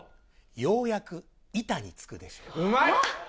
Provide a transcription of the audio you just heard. ようやく板につくでしょう。